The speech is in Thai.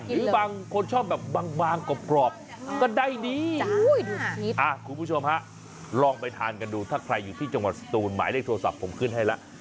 หรือบางคนชอบแบบบางกรอบก็ได้ดีดูคลิปคุณผู้ชมฮะลองไปทานกันดูถ้าใครอยู่ที่จังหวัดสตูนหมายเลขโทรศัพท์ผมขึ้นให้แล้ว